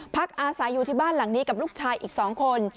พักอาศัยอยู่ที่บ้านหลังนี้กับลูกชายอีก๒คน